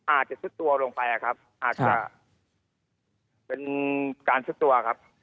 อาจจะซุดตัวลงไปครับอาจจะเป็นการซุดตัวครับ